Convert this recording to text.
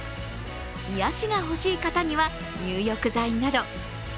癒やしが欲しい方には入浴剤など。